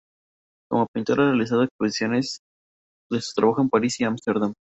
Como pintor, ha realizado exposiciones de su trabajo en París y Ámsterdam.